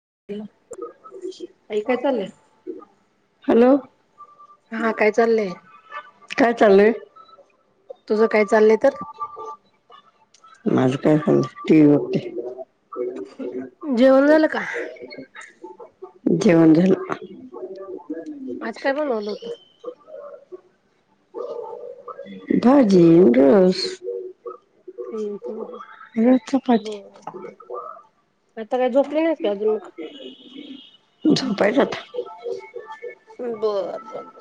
[unintelligible] आई काय चाललंय [unintelligible] हॅलो. हा काय चाललंय काय चालू हय? तुझं काय चाललंय तर? माझ काय पणं टि वी बगते. जेवण झालं का? जेवन झालं का? आज काय बनवल होत? भाजी, रस हुं. हू हू. रस चपाती आता काय झोपली नाहीस का अजून मग? झोपायच आता. बरं. बरं. बर.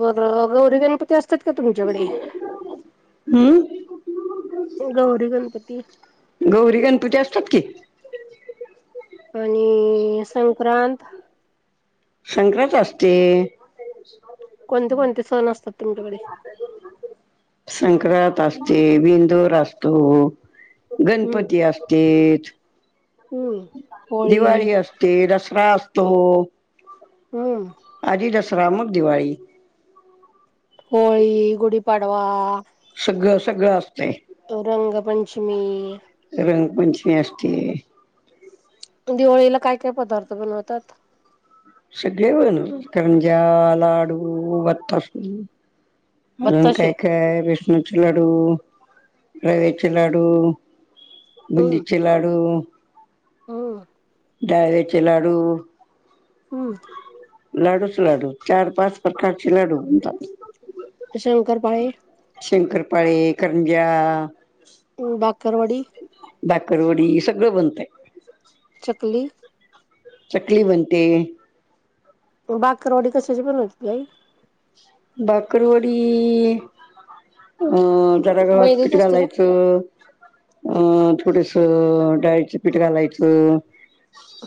बर गौरी गणपती अस हुम. गौरी गणपती गौरी गणपती असतात कि आणि संक्रांत संक्रांत असते. कोणते कोणते सण असतात तुमच्याकडे? संक्रांत असते बिंदोर असतो हम्म गणपती असतेत. हम्म होळी दिवाळी असते दसरा असतो. हम्म आधी दसरा मग दिवाळी. होळी गुडीपाडवा. सगळं सगळं असतय. रंगपंचमी रंग पंचमी असतेय. दिवाळीला काय काय पदार्थ बनवतात? सगळे बनवतो करंज्या लाडू बत्ताशे. अजून बत्ताशे काय काय बेसनाचे लाडू रव्याचे लाडू. बुंदीचे लाडू हम् डाळव्याचे लाडू. हम्म लाडूच लाडू चार पाच प्रकारचे लाडू. शंकर पाळे शंकरपाळे करंज्या. ह बाकरवडी बाकरवडी सगळं बनतय. चकली चकली बनते. बाकरवडी कशाची बनवतेत ताई? बकरवाडी ईईईई अं जरा गव्हाच मैद्याची पीठ असते का? घालायचं. अं थोडस डाळीचं पीठ घालायचं.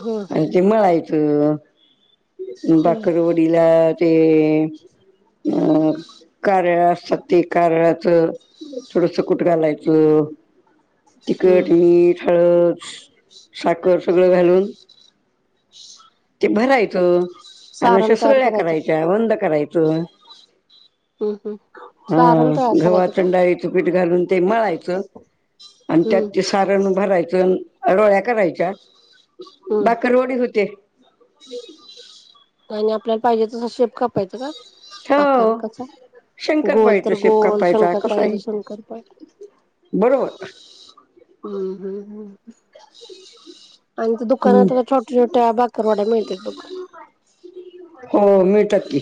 हम्म अन ते मळायच हम्म बाकरवडीला ते अ कारळ असतात ते कारळाचं थोडस कुट घालायचं. हम्म तिखट मीठ हळद साखर सगळं घालून ते भरायचं आणि सारण अश्या तयार सुरळ्या करायचं करायच्या बंद करायच. हम हम हा गव्हाचं अनं डाळीचं पीठ घालून ते मळायचं. आणि त्यात हम्म ते सारण भरायचं. रोळ्या करायच्या हम्म बाकरवडी होते. आणि आपल्याला पाहिजे तसं शेप कपायचं का? आकार हो कसा गोल शंकरपाळीचा तर शेप गोल कापायचा कसा शंकरपाळेचा आहे शंकरपाळ बरोबर हम् हम् हम् ह आणि त्या दुकानात छोट्या छोट्या बाकरवाड्या मिळत बघ. हो मिळतात की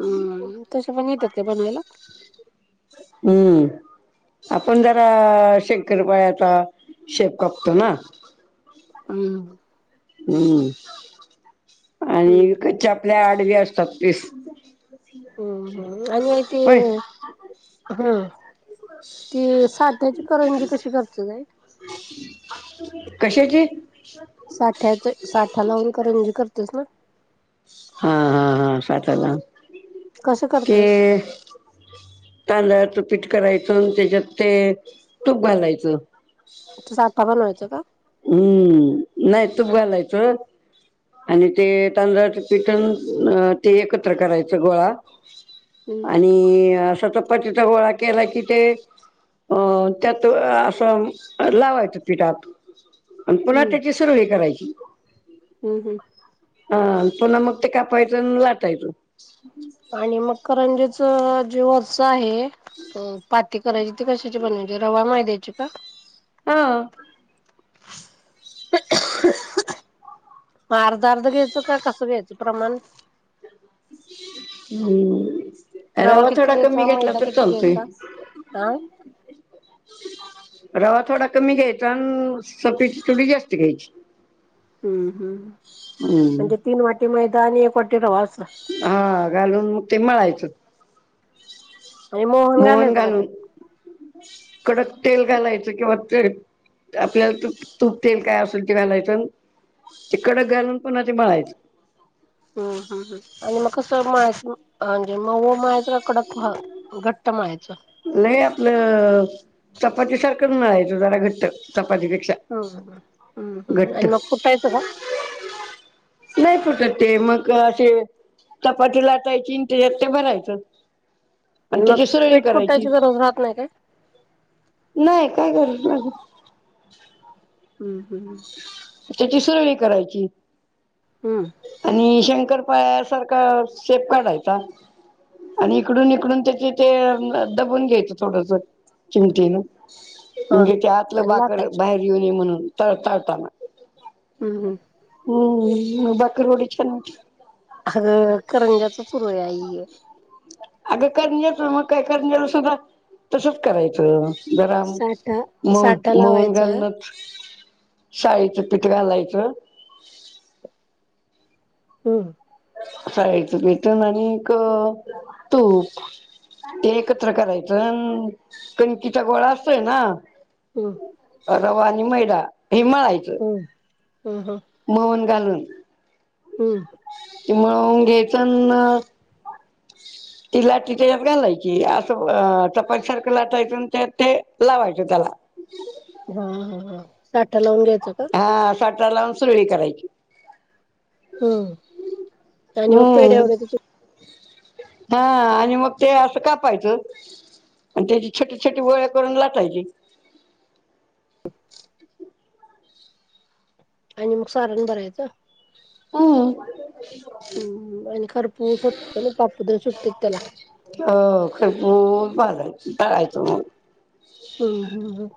हम तसे पण येतात का बनवायला. हम्म आपण जरा श पायाचा शेप कापतो ना. हम् हम्म आणि हम्म हम्म कच्छ आपल्या आडवी असतात तीस हम्म हम्म आणि ते हम ते साध्याची करंजी कशी करते जाई कशाची साठ्याचा साठा लावून करंजी करतेस ना हा हा हा साठला कसं ते करतेस तांद तू पिटकाय त्याच्यात ते तूप घालायचं साठा पण व्हायचं का हम्म नाही तूप घालायच आणि ते तांदळाच पिठून अ ते एकत्र करायचं गोळा हम्म आणि असाच पतीचा गोळा केला की ते अं त्यात असं लावायचं पिठात प पुन्हा हम्म त्याची सुरू हे करायची हम्म हम्म हा पुन्हा मग ते कापायचं लाटायचं आणि मकरंजेच जे वरच आहे पाती करायची ते कशाची बनवायची रवा मायद्यायची का हा [inaudible] अर्ध अर्ध घ्यायच का कसं घ्यायचं प्रमाण आणि रवा किती थोडा कमी घ्यायचा घेतला मैदा तर किती चालतोय घ्यायचा हा रवा थोडा कमी घ्यायचा आणि सपेची चुडी जास्त घ्यायची हम्म हम् हम्म म्हणजे तीन वाटी मैदा आणि एक वाटी रवास हा घालूनग ते मळायचं आणि मोहन घालायचं का त्या कडक तेल घालायचं किंवा तेल आपल्यालाू तूप तेल काय असेल ते घालायचं तकड घालून पण ते बाळा आहेतच हम् हम्म हम् आणि म स म्हे मव माळायचं का कडक घट्ट माळायच लय आपलं चपाती सारखं नळायच जरा घट्ट पपेक्षा हम्म हम्म हम्म घट्ट आणि मग कुटायचं का? नाही फटतते मग असे चपातीला का चिंंतेतेत ते भरायचं आणि मग त्याची सरळी पीठ करायची कुटायची गरज राहत नाही काय? नाही काय कर ह हम्म हम् त्याची सुरणी करायची हम्म. आणि शं पायासारख सेफ काढायचा आणि इकडून इकडून त्याचे ते दबून घ्यायचं थोडस चिमटन हा म्हणजे त्या आतलं आणि बाकड लाटायच. बाहेर येऊ नये म्हणूनताळताना हम्म हम्म. हम्म बकर होडी छान अ करंजाच सुरई अगं करन येत मग काय करल सुद्धा तसच करायचं गरम साठा म साठा मन लावायचा. घालना शाळेचं पीठ घालायचं हम्म साईचं पिठण आणिक तूप ते एकत्र करायच कणकीचा गोळा असतोय ना हम रवा आणि मैदा हे मळायचं हम्म हम्म हम्म. मऊन घालून. हम्म. म घ्यायच. ती लाट त्याच्यात घालायची असं चपटसारखं लाटायेतून त्यात ते लावायच त्याला हा साठ लावून घे. हा साठरा लावून सुरुळी करायची. हम्म आणि मग पेढ्या हम्म. वड्याची हा आणि मग ते असं का पाहायचं. आणि त्याची छोटी छोटी वोळे करून लाटायची. ह. आणि मग सारण बरायचं. ह. हम्म आणि खरपूस होत मग बाप्पूद सुटते त्याला हो खरपूर भाजाय करायचो मग हम्म हम्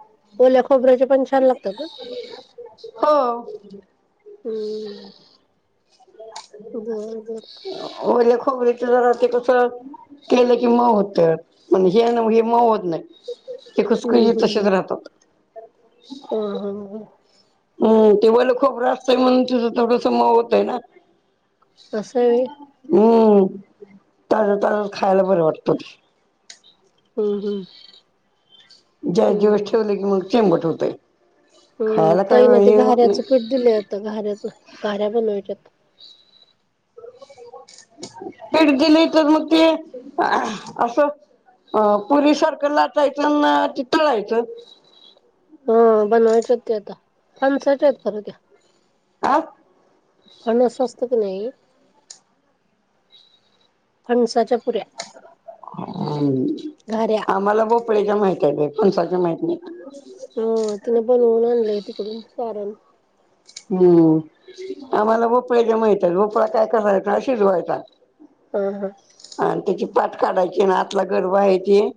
ओल्या खोबऱ्याचे पण छान लागतात ना. हम्म बर बर. खोबरीच ज ते कसं. केलं की मी होत म्हण हे हे म होत नाही. ते खुसखुशीत तसेच राहतात. हा हा हा. हम् ते बोल खूप रास्तंय म्हणून तच थोडस मऊ होतंय ना. असं आहे हम्मला खायला बरं वाटत. हम्म हम्म. ज्या दिवस ठेवले की मग चेंबट होतय. हम् तही ना ते घाऱ्याच पीठ दिलंत घाऱ्याच गऱ्या बनवायच्यात [inaudible] पेड दिले तर मग ते असं. अ पुरी सर्कल लाटायचं नि तळायचं. हा बनवायच्या ते आता फनसायच्या आहेत खरं त्या हफ. फंडस असत की नाही फणसाच्या पुऱ्या ह घाऱ्या आम्हाला भोपळेच्या माहित आहे पणसाच्या माहती नाही. हा तिनं पण ऊन आणलंय तिकडून सारण हम्म आम्हाला भोपळ्याच्या माहतात भोपळा काय कसायचा अशीच व्हायचा. हम हम. अ त्याची पाठ काढायची ना आतला गरव आहेयची.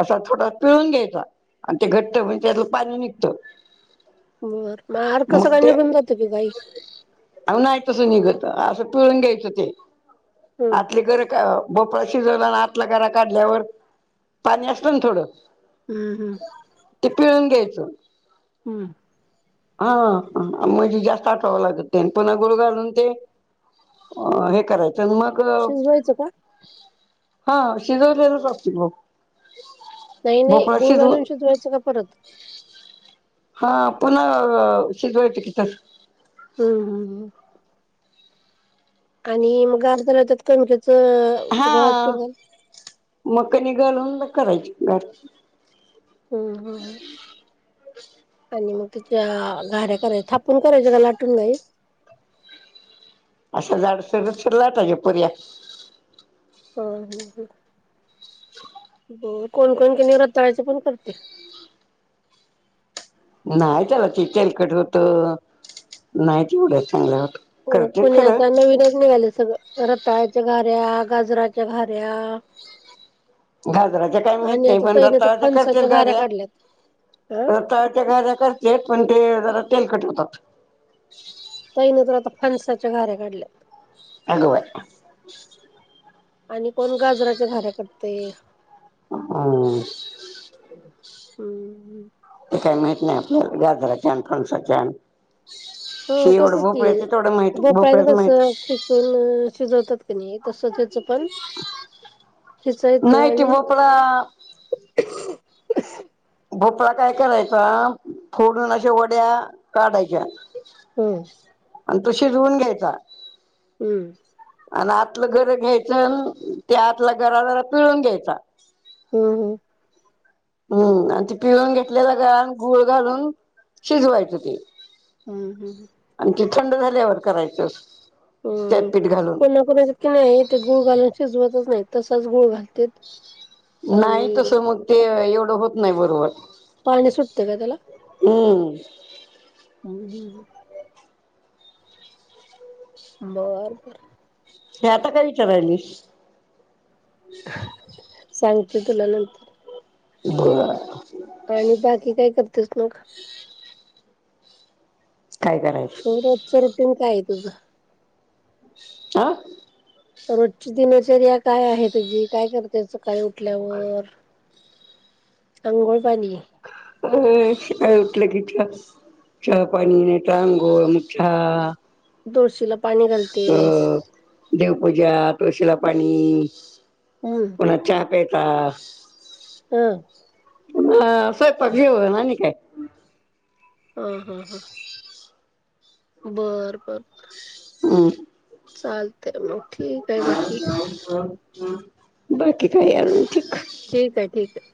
असा थोडा पिळून घ्यायचा आणि ते घटत म्हणजे त्यातलं पाणी निघतं. बर मग अर्क मठ सगळा ते निघून जातो की गाई अ नाही तसं निघत असं. पिळून घ्यायचं ते हम्म आतली गर भोपळा शिजवला आणि आतला गरा काढल्यावर पाणी असत ना थोडं. हम्म हम्म. ते पिळून घ्यायचं. हम्म. हा म्हणजे जास्त आठावं लागत ते पन्हा गुळ घालून ते अ हे करायचं. तर मग शिजवायचं का हा शिजवलेलंच असगतील मग नाही नाही गुळ घालून शोजवायचं का परत हा पुन्हा शिजवायचं कीथ हम हम. आणि मग अर्धलात कणक्याच गवास पिड झाल. मकनी घालून करायची घरची हम्म हम्म आणि मग त्याच्या गऱ्या करायच्या थापून करायच्या का लाटून नाही असं झाड सरतरलाटाज पर्या हो हम ह ब कोण कोोण क निव्रतयचे पण करते नाही त्याला ते तेलकट होत नाही तेवढ्या चांगल्या होत हो करते कोुणी खरं आता नवीनच निघालं सगळं रताळ्याच्या घऱ्या गाजराच्या घऱ्या गाजराच्या काही माहत नाही पण तर रताच्या करतेच फणसाच्या घाऱ्या घऱ्या काढल्यात अ तरता त्या ग करते आहेत पण ते जरा तेल कट होतात ताई मी तर आता फणसाच्या घाऱ्या काढल्यात. आगवार आणि कोण गाजराच्या घऱ्या करतय. हम्म हम् काही माहित नाही आपल्या गाजराच्या आणि फणसाच्या. हो हे एवढं तसच की भोपळ्याचं तेवढं माहित भोपाळच भोपळ्याच कस माहित खिसून शिजवतात क नाही तसंच हेच पण खिसायचं नाही ते आणि भोपळा भोपळा काय करायचा फोडून अशा वड्या काढायच्या हम्म आणि तो शिजवून घ्यायचा. हम्म आणि आतलं गर घ्यायचं त्या आतला गरा जरा पिळून घ्यायचा. हम्म हम् हम्म आणि ती पिळून घेतलेला गरा गूळ घालून शिजवायच ते हम्म हम्म आणि ते थंड झाल्यावर करायचस हम्म कोणा कोणा च क नाहीय ते गुळ गल शिजवतच नाही तसाच गुळ घालते नाही तस मग ते एवढं होत नाही बरोबर पाणी सुटते का त्याला हम [unintelligible] बर बर. हे आता काय विचारलैस [unintelligible] सांगते तुला नंतर बर आणि बाकी काय करतेस मग काय करायचं रोजच रुटीन काय आहे तुझं? आह! रोजची दिनचर्या काय आहे तुझी? काय करते सकाळी उठल्यावर? अंघोळ, पाणी अं काय उठलं की, च चहा पाणी नाय तर आंघोळ, मग चहा तुळशीला पाणी अ घालतेस देवपूजा, तुळशीला पाणी, हम्म पुन्हा चहा प्यायचा. हं! हं स्वयंपाक, जेवण आणि काय? हं हं हं! बर बरबर हं चालत मग, ठीक आहे. बाकी हं बाकी काय आजुन? ठीक आहे ठीक आहे.